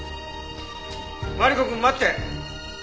マリコくん待って！